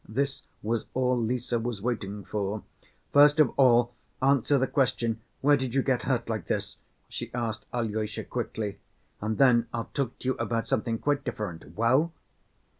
This was all Lise was waiting for. "First of all, answer the question, where did you get hurt like this?" she asked Alyosha, quickly. "And then I'll talk to you about something quite different. Well?"